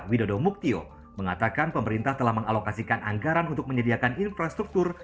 widodo muktio mengatakan pemerintah telah mengalokasikan anggaran untuk menyediakan infrastruktur